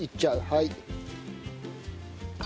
はい。